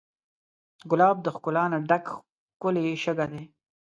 ګلاب د ښکلا نه ډک ښکلی شګه دی.